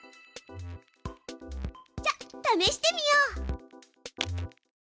じゃあためしてみよう！